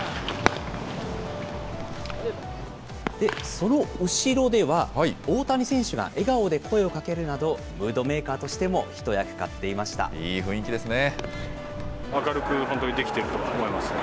その後ろでは、大谷選手が笑顔で声をかけるなど、ムードメーカーとしても一役買っいい雰囲気ですね。